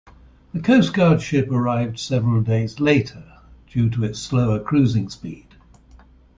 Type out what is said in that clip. The coast guard ship arrived several days later, due to its slower cruising speed.